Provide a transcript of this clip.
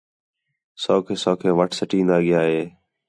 سَوکھے سَوکھے وَٹ سٹین٘دا ڳِیا ہِے